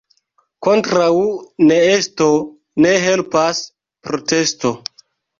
Kontraŭ neesto ne helpas protesto.